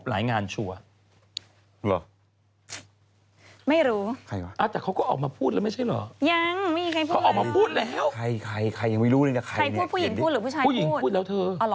อาจจะเขาก็ออกมาพูดแล้วไม่ใช่เหรอออกมาพูดแล้ว